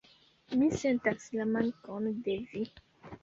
Mi sentas la mankon de vi.